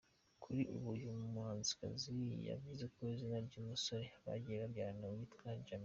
Kuri ubu uyu muhanzikazi yavuze ko izina ry’umusore bagiye kubyarana yitwa Djamil.